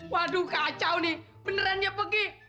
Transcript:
waduh kacau nih beneran dia pergi